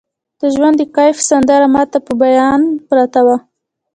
د ژوند د کیف سندره ماته په بیابان پرته وه